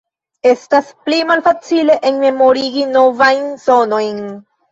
Estas pli malfacile enmemorigi novajn sonojn.